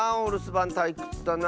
ばんたいくつだな。